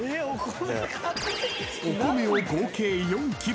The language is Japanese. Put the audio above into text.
［お米を合計４ｋｇ］